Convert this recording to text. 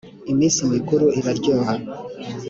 iminsi mikuru iraryoha.